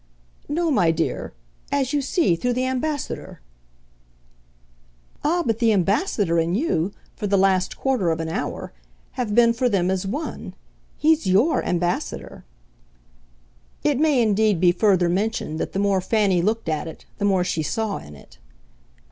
"No, my dear; as you see, through the Ambassador." "Ah, but the Ambassador and you, for the last quarter of an hour, have been for them as one. He's YOUR ambassador." It may indeed be further mentioned that the more Fanny looked at it the more she saw in it.